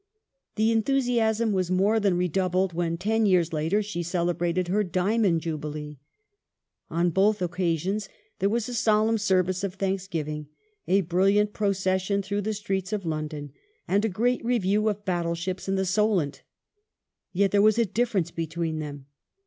The enthusiasm was more than redoubled when, ten years later, she celebrated her " diamond " Jubilee. On both occasions there was a solemn service of thanksgiving, a brilliant procession through the streets of Lon don, and a great review of battleships in the Solent, Yet there was a difference between them.